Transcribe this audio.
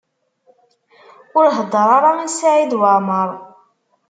Ur heddeṛ ara i Saɛid Waɛmaṛ.